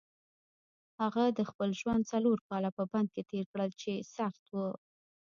هغه د خپل ژوند څلور کاله په بند کې تېر کړل چې سخت وو.